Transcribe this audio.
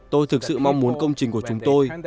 tôi thực sự mong muốn công trình của chúng tôi